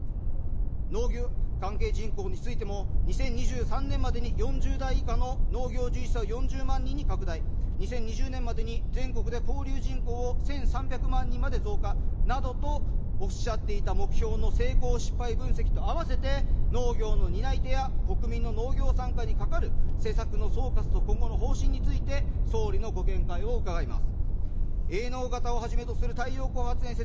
農業関係人口についても、２０２３年までに４０代以下の農業は４０万人に拡大、２０２０年までに全国で交流人口を１３００万人まで増加などとおっしゃっていた目標の成功、失敗分析とあわせて、農業の担い手や国民の農業参加にかかる施策の総括と今後の方針について、総理のご見解を伺います。